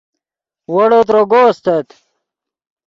ویڑو تروگو استت